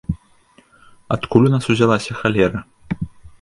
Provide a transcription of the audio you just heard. Адкуль у нас узялася халера?